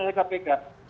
dilepon oleh kpk